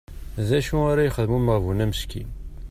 D acu ara yexdem umeɣbun-a meskin?